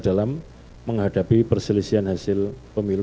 dalam menghadapi perselisihan hasil pemilu